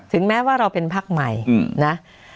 แม้ว่าเราเป็นพักใหม่นะ